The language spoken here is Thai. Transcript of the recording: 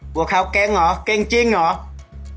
บัวขาวเก่งหรอเก่งจริงหรอ